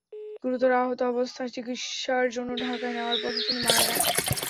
গুরুতর আহত অবস্থায় চিকিৎসার জন্য ঢাকায় নেওয়ার পথে তিনি মারা যান।